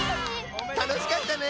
たのしかったね！